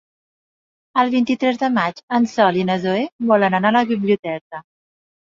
El vint-i-tres de maig en Sol i na Zoè volen anar a la biblioteca.